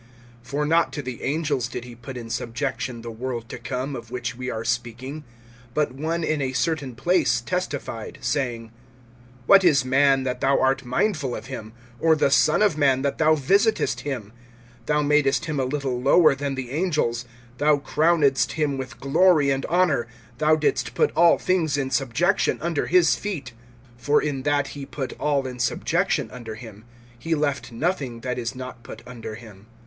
(5)For not to the angels did he put in subjection the world to come, of which we are speaking. (6)But one in a certain place testified, saying: What is man, that thou art mindful of him, Or the son of man, that thou visitest him? (7)Thou madest him a little lower than the angels; Thou crownedst him with glory and honor; (8)Thou didst put all things in subjection under his feet. For in that he put all in subjection under him, he left nothing that is not put under him.